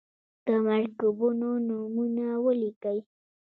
د مرکبونو نومونه ولیکئ.